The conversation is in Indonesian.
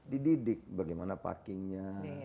dididik bagaimana parkingnya